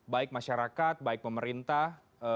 baik masyarakat baik pemerintah